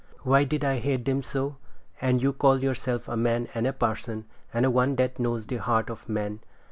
Why did I hate them so? And you call yourself a man and a parson, and one that knows the heart of man!